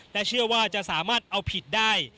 และเชื่อว่าจะสามารถเอาผิดได้